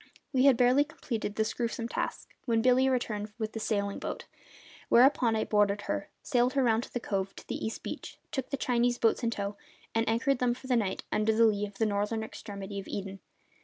We had barely completed this gruesome task when Billy returned with the sailing boat, whereupon I boarded her, sailed her round from the cove to the east beach, took the Chinese boats in tow, and anchored them for the night under the lee of the northern extremity of Eden.